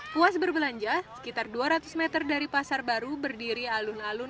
puas berbelanja sekitar dua ratus meter dari pasar baru berdiri alun alun